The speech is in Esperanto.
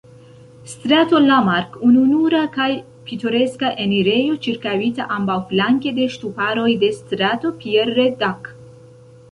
Strato Lamarck, ununura kaj pitoreska enirejo, ĉirkaŭita ambaŭflanke de ŝtuparoj de Strato Pierre-Dac.